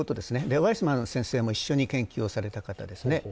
ワイスマン先生も一緒に研究された方ですね。